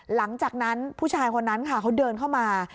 หลังจากนั้นผู้ชายคนนั้นค่ะเขาเดินเข้ามา